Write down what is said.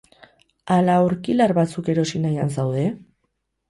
Ala aurkilar batzuk erosi nahian zaude?